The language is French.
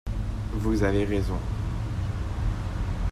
Vous avez raison.